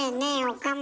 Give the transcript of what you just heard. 岡村。